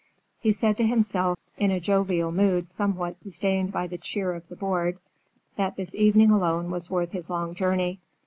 He said to himself, in a jovial mood somewhat sustained by the cheer of the board, that this evening alone was worth his long journey.